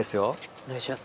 お願いします。